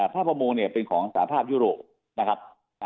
ภาพประมงเนี่ยเป็นของสาธารณ์ยุโรปนะครับ